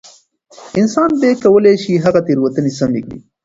انسان بيا کولای شي هغه تېروتنې سمې کړي.